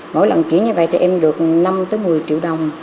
mỗi lần chuyển như vậy thì em được năm một mươi triệu đồng